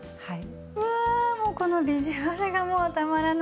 はい。